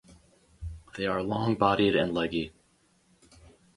They are long-bodied and leggy.